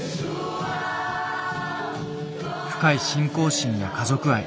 深い信仰心や家族愛。